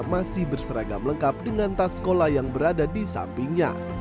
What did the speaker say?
masih berseragam lengkap dengan tas sekolah yang berada di sampingnya